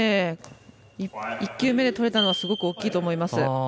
１球目で取れたのはすごく大きいと思います。